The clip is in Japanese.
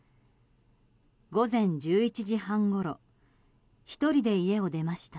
午前１１時半ごろ１人で家を出ました。